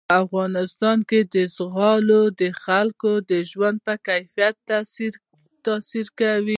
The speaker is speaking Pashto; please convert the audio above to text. په افغانستان کې زغال د خلکو د ژوند په کیفیت تاثیر کوي.